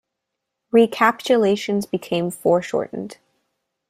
Recapitulations became foreshortened.